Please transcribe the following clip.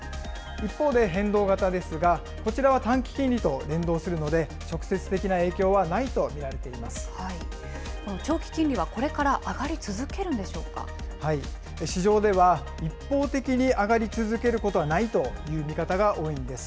一方で、変動型ですが、こちらは短期金利と連動するので、直接的長期金利はこれから上がり続市場では、一方的に上がり続けることはないという見方が多いんです。